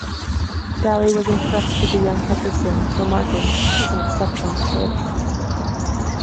Daly was impressed with the young Hutcherson, remarking, He's an exceptional kid.